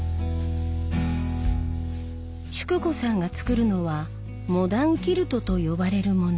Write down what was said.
淑子さんが作るのは「モダンキルト」と呼ばれるもの。